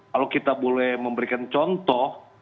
kalau kita boleh memberikan contoh